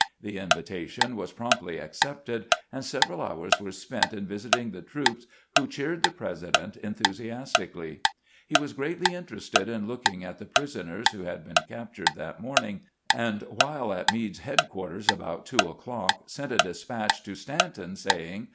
The invitation was promptly accepted, and several hours were spent in visiting the troops, who cheered the President enthusiastically. He was greatly interested in looking at the prisoners who had been cap tured that morning ; and while at Meade's headquarters, about two o'clock, sent a despatch to Stanton, say ing